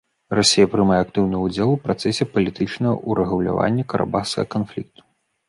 Расія прымае актыўны ўдзел у працэсе палітычнага ўрэгулявання карабахскага канфлікту.